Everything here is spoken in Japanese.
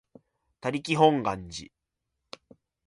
他力本願寺